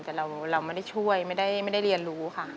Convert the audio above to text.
แต่เราไม่ได้ช่วยไม่ได้เรียนรู้ค่ะ